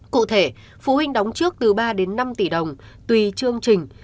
cụ thể phụ huynh đóng trước từ ba đến năm tỷ đồng tùy chương trình